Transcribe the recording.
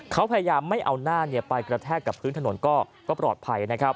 เขาพยายามไม่เอาหน้าไปกระแทกกับพื้นถนนก็ปลอดภัยนะครับ